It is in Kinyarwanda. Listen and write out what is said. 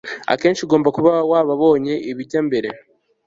akenshi ugomba kuba wababonye ibijya mbere